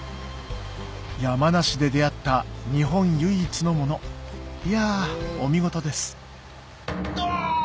山梨で出合った日本唯一のものいやお見事ですドン！